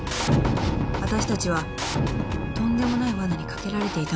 わたしたちはとんでもないわなに掛けられていたのです］